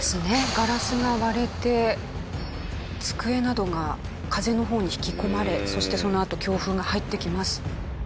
ガラスが割れて机などが風の方に引き込まれそしてそのあと強風が入ってきます。